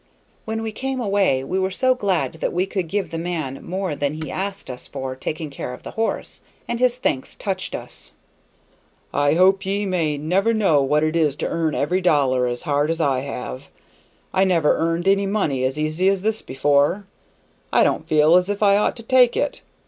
When we came away we were so glad that we could give the man more than he asked us for taking care of the horse, and his thanks touched us. "I hope ye may never know what it is to earn every dollar as hard as I have. I never earned any money as easy as this before. I don't feel as if I ought to take it.